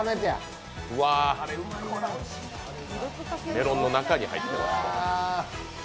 メロンの中に入ってます。